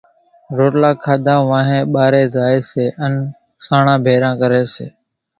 روٽلا کاڌا وانھين ٻارين زائي سي ان سانڻان ڀيران ڪري سي،